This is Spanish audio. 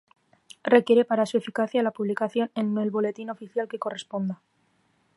Requiere para su eficacia la publicación en el Boletín Oficial que corresponda.